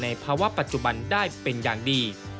ภาวะปัจจุบันได้เป็นอย่างดี